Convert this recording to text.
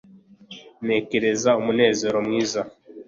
ntekereza umunezero mwiza